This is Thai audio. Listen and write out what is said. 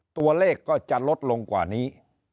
ตัวเลขก็จะลดลงกว่านี้